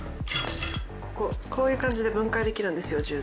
こういう感じで分解できるんですよ